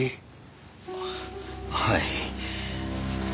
はい。